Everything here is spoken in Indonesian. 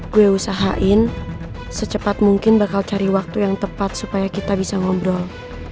gue usahain secepat mungkin bakal cari waktu yang tepat supaya kita bisa ngobrol